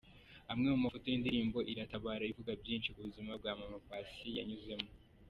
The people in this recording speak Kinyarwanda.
Amwe mu mafoto y'indirimbo "Iratabara" ivuga byinshi ku buzima Mama Paccy yanyuzemo.